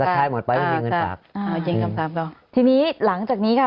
รายได้ที่ไหนอะไรอะไร